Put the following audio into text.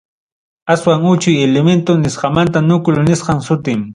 Aswan uchuy elemento nisqamantam núcleo nisqam sutin.